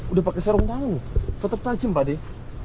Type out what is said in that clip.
udah pakai serung tangan tetap tajam pak deh